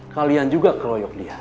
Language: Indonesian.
kalian juga keroyok dian